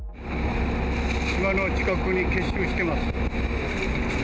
島の近くに結集しています。